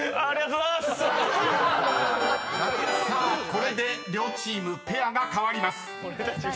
［さあこれで両チームペアが変わります］